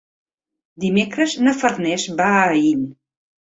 Dimecres na Farners va a Aín.